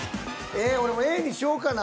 俺もＡにしようかな。